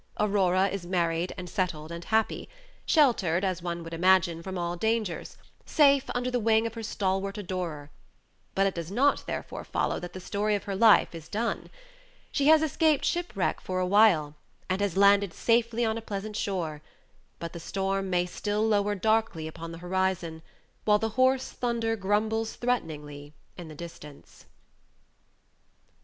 Aurora is married, and settled, and happy; sheltered, as one would imagine, from all dangers, safe under the wing of her stalwart adorer; but it does not therefore follow that the story of her life is done. She has escaped ship wreck for a while, and has safely landed on a pleasant shore; but the storm may still lower darkly upon the horizon, while the hoarse thunder grumbles threateningly in the distance.